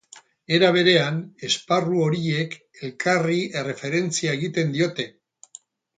Era berean, esparru horiek elkarri erreferentzia egiten diote.